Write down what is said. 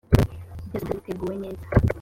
byose byari biteguwe neza